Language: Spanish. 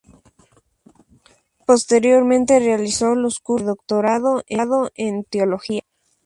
Posteriormente realizó los cursos de doctorado en Teología.